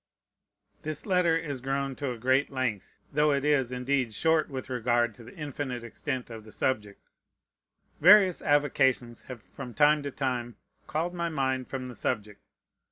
This letter is grown to a great length, though it is, indeed, short with regard to the infinite extent of the subject. Various avocations have from time to time called my mind from the subject.